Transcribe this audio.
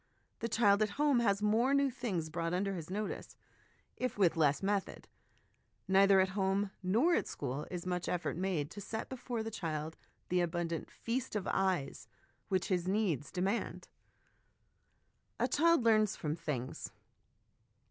The child at home has more new things brought under his notice, if with less method. Neither at home nor at school is much effort made to set before the child the abundant ' feast of eyes ' which his needs demand. A Child learns from 'Things.'